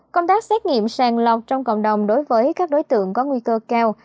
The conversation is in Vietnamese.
công tác xét nghiệm sàng lọc trong cộng đồng đối với các đối tượng có nguy cơ cao